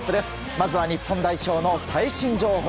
まずは日本代表の最新情報。